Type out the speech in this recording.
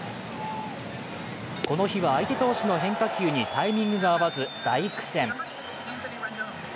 この日は、相手投手の変化球にタイミングが合わず大苦戦。